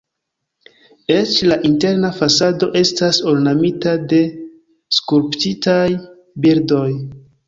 Eĉ la interna fasado estas ornamita de skulptitaj bildoj.